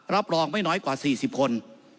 รับรองไม่น้อยกว่า๔๐คน